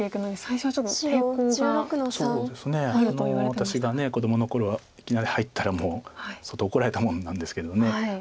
私が子どもの頃はいきなり入ったらもう相当怒られたもんなんですけど。